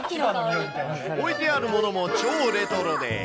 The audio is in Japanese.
置いてあるものも超レトロで。